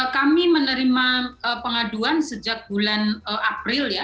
kami menerima pengaduan sejak bulan april ya